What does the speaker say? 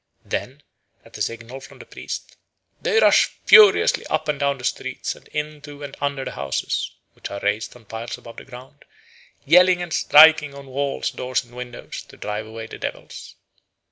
Then, at a signal from the priest, they rush furiously up and down the streets and into and under the houses (which are raised on piles above the ground), yelling and striking on walls, doors, and windows, to drive away the devils.